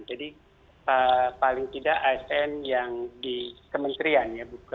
jadi paling tidak asn yang di kementerian